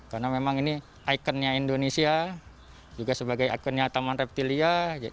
karena memang ini ikonnya indonesia juga sebagai ikonnya taman reptilia